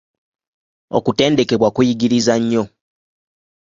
Okutendekebwa kuyigiriza nnyo.